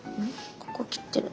ここ切ってるな。